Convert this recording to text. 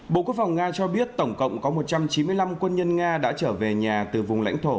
bộ quốc phòng nga cho biết tổng cộng có một trăm chín mươi năm quân nhân nga đã trở về nhà từ vùng lãnh thổ